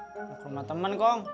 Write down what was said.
aku sama temen kong